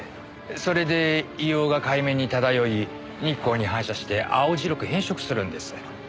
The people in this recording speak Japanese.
それで硫黄が海面に漂い日光に反射して青白く変色するんです。